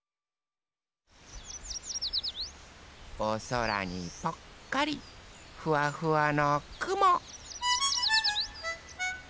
おそらにぽっかりフワフワのくも。